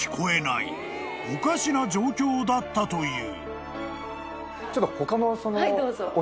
［おかしな状況だったという］